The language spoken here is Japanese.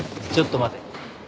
ちょっと待て。